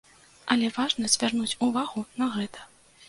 Але важна звярнуць увагу на гэта.